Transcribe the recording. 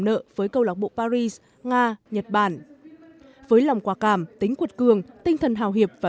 nợ với câu lạc bộ paris nga nhật bản với lòng quả cảm tính quật cường tinh thần hào hiệp và